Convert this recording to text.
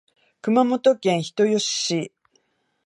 熊本県人吉市